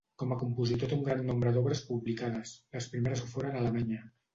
Com a compositor té un gran nombre d'obres publicades; les primeres ho foren a Alemanya.